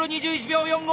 ２１秒４５！